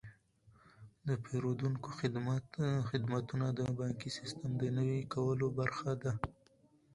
د پیرودونکو خدمتونه د بانکي سیستم د نوي کولو برخه ده.